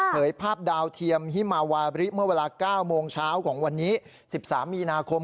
ภาพดาวเทียมฮิมาวาบริเมื่อเวลา๙โมงเช้าของวันนี้๑๓มีนาคม